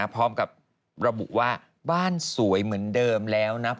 พร้อมกับระบุว่าบ้านสวยเหมือนเดิมแล้วนะ